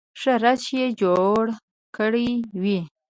ښه رش یې جوړ کړی وي.